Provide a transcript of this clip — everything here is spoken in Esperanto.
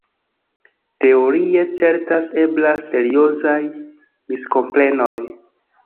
Teorie certas eblas seriozaj miskomprenoj.